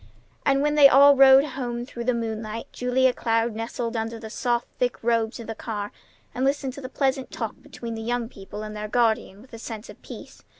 And, when they all rode home through the moonlight, Julia Cloud nestled under the soft, thick robes of the car, and listened to the pleasant talk between the young people and their guardian with a sense of peace.